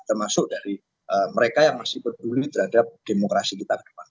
termasuk dari mereka yang masih peduli terhadap demokrasi kita ke depan